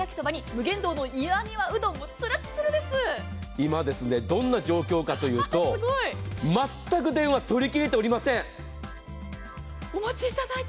今どんな状況かというと全く電話、取り切れておりません。